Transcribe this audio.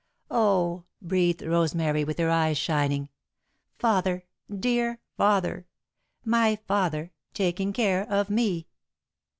"Oh," breathed Rosemary, with her eyes shining; "Father, dear father my father, taking care of me!"